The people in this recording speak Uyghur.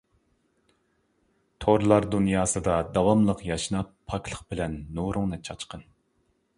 تورلار دۇنياسىدا داۋاملىق ياشناپ، پاكلىق بىلەن نۇرۇڭنى چاچقىن.